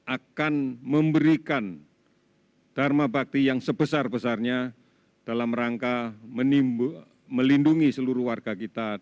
akan memberikan dharma bakti yang sebesar besarnya dalam rangka melindungi seluruh warga kita